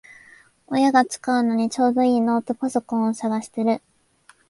親が使うのにちょうどいいノートパソコンを探してる